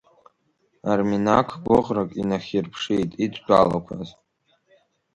Арменақ гәыӷрак инахьирԥшит идтәалақәаз.